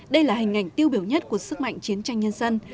đây là hình ảnh tiêu biểu nhất của sức mạnh chiến tranh nhân dân